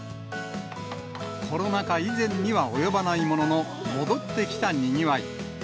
コロナ禍以前には及ばないものの、戻ってきたにぎわい。